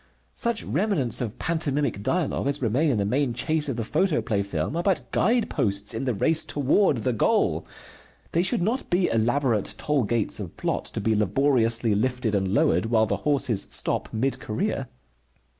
Such remnants of pantomimic dialogue as remain in the main chase of the photoplay film are but guide posts in the race toward the goal. They should not be elaborate toll gates of plot, to be laboriously lifted and lowered while the horses stop, mid career.